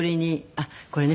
あっこれね。